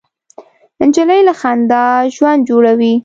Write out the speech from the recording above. نجلۍ له خندا ژوند جوړوي.